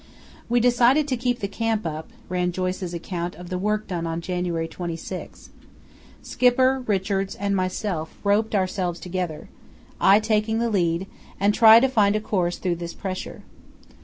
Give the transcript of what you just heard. "We decided to keep the camp up," ran Joyce's account of the work done on January 26. "Skipper, Richards, and myself roped ourselves together, I taking the lead, to try and find a course through this pressure.